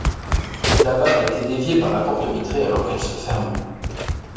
La balle a été déviée par la porte vitrée alors qu'elle se fermait.